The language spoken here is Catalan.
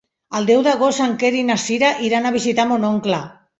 El deu d'agost en Quer i na Cira iran a visitar mon oncle.